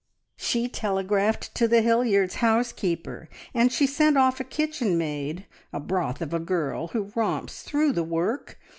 "She telegraphed to the Hilliards' housekeeper, and she sent off a kitchen maid a broth of a girl who romps through the work.